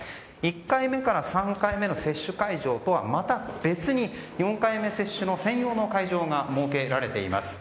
１回目から３回目の接種会場とはまた別に４回目接種専用の会場が設けられています。